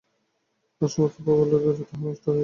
আর সমস্ত পাওয়া লোভের পাওয়া, তাহা নষ্ট হইয়া যায়।